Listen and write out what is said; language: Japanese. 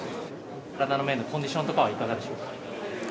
体の面、コンディションはいかがでしょうか。